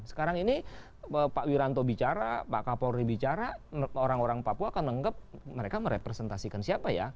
sekarang ini pak wiranto bicara pak kapolri bicara orang orang papua akan menganggap mereka merepresentasikan siapa ya